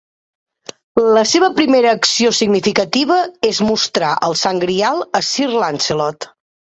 La seva primera acció significativa és mostrar el Sant Grial a Sir Lancelot.